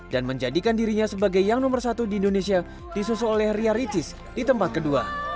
dan menjadikan dirinya sebagai yang nomor satu di indonesia disusul oleh ria ricis di tempat kedua